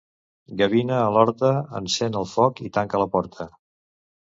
Gavina a l'horta, encén el foc i tanca la porta.